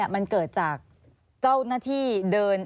มันเกิดจากเจ้าหน้าที่เดิน